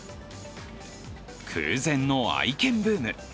空前の愛犬ブーム。